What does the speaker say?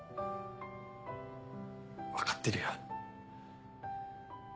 分かってるよ。